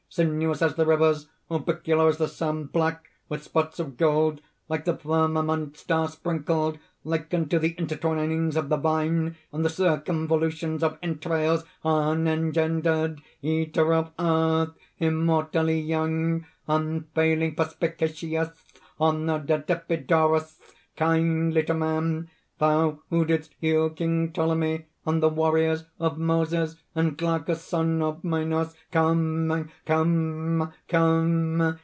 "Sinuous as the rivers, orbicular as the sun, black, with spots of gold, like the firmament star besprinkled! Like unto the intertwinings of the vine, and the circumvolutions of entrails! "Unengendered! eater of earth! immortally young! unfailing perspicacious! honored at Epidaurus! Kindly to man! thou who didst heal King Ptolemy, and the warriors, of Moses, and Glaucus, son of Minos! "Come! come!